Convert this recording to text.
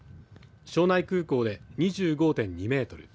庄内空港で２５．２メートル